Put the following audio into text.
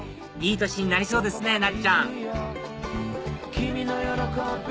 いい年になりそうですね